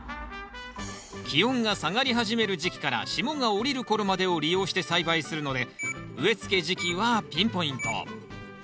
気温が下がり始める時期から霜が降りる頃までを利用して栽培するので植えつけ時期はピンポイント。